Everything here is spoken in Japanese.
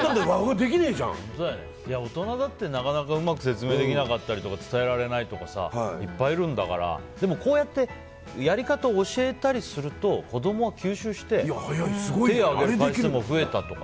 大人だってなかなかうまく説明できなかったりとか伝えられなかったりとかいう人いっぱいいるんだからこうやってやり方を教えたりすると子供は吸収して手を挙げる回数も増えたとか。